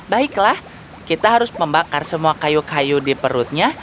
baiklah kita harus membakar semua kayu kayu di perutnya